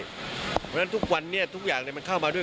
เพราะฉะนั้นทุกวันนี้ทุกอย่างมันเข้ามาด้วย